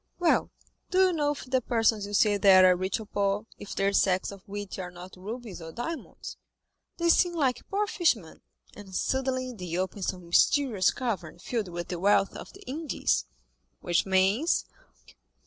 "Well, do you know if the persons you see there are rich or poor, if their sacks of wheat are not rubies or diamonds? They seem like poor fishermen, and suddenly they open some mysterious cavern filled with the wealth of the Indies." "Which means?"